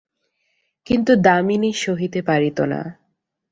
কিন্তু দামিনী সহিতে পারিত না।